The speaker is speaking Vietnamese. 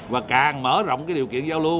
và càng mở rộng cái điều kiện này